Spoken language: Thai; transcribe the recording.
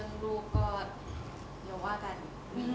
เรื่องลูกก็เดี๋ยวว่ากัน